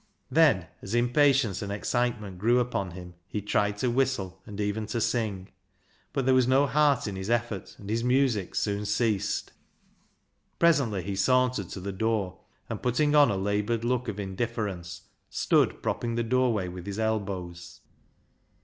Then, as impatience and excitement grew upon him, he tried to whistle and even to sing, but there was no heart in his effort, and his music soon ceased. Presently he sauntered to the door, and, putting on a laboured look of indifference, stood propping the doorway v/ith his elbows.